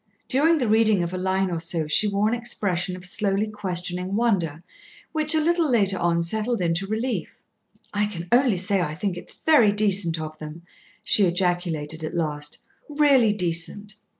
During the reading of a line or so she wore an expression of slowly questioning wonder, which, a little later on, settled into relief. "I can only say I think it's very decent of them," she ejaculated at last; "really decent!"